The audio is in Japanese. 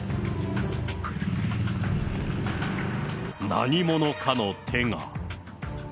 何者かの手が。